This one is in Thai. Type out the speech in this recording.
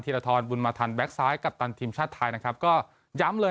รทรบุญมาทันแก๊กซ้ายกัปตันทีมชาติไทยนะครับก็ย้ำเลย